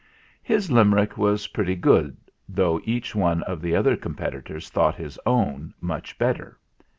His Limerick was pretty good, though each one of the other competitors thought his own much better.